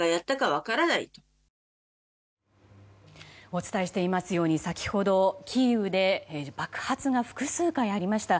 お伝えしていますように先ほどキーウで爆発が複数回ありました。